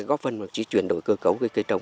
góp phần chỉ chuyển đổi cơ cấu cây trồng